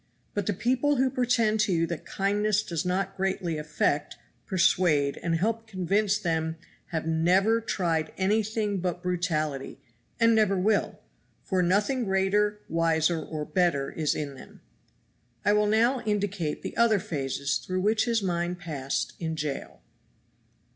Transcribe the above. But the people who pretend to you that kindness does not greatly affect, persuade and help convince them HAVE NEVER TRIED ANYTHING BUT BRUTALITY, and never will; for nothing greater, wiser or better is in them. I will now indicate the other phases through which his mind passed in Jail.